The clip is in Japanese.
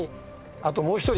あともう１人。